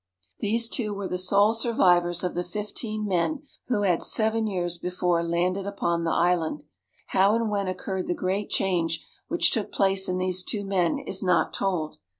These two were the sole survivors of the fifteen men who had seven years before landed upon the island. How and when occurred the great change which took place in these two men is not told.